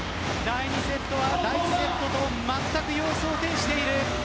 第２セットは第１セットとまったく様相を呈している